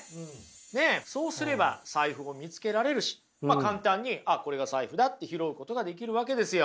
そうすれば財布を見つけられるしまあ簡単にこれが財布だって拾うことができるわけですよ。